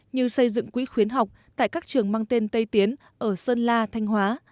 như xây dựng quỹ khuyến học tại các trường mang tên tây tiến ở sơn la thanh hóa